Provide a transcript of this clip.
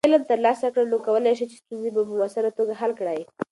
که علم ترلاسه کړې، نو کولی شې چې ستونزې په مؤثره توګه حل کړې.